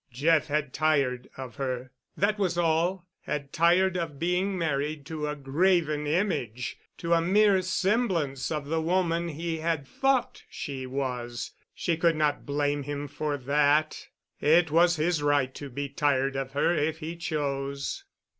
Jeff had tired of her—that was all—had tired of being married to a graven image, to a mere semblance of the woman he had thought she was. She could not blame him for that. It was his right to be tired of her if he chose.